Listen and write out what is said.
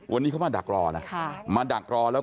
วันนี้เขามาดักรอนะมาดักรอแล้ว